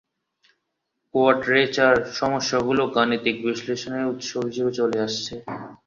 কোয়ডরেচার-সমস্যাগুলো গাণিতিক বিশ্লেষণের উৎস হিসেবে চলে আসছে।